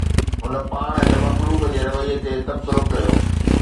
هن پاڻ هن مخلوق جي رويي تي تبصرو ڪيو